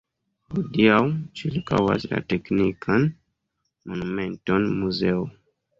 Hodiaŭ ĉirkaŭas la teknikan monumenton muzeo.